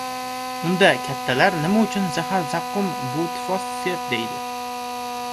Unda, kattalar nima uchun zahar-zaqqum butifos sep, deydi?